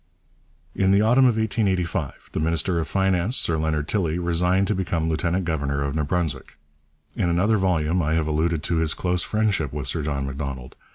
In the autumn of 1885 the minister of Finance, Sir Leonard Tilley, resigned to become lieutenant governor of New Brunswick. In another volume I have alluded to his close friendship with Sir John Macdonald.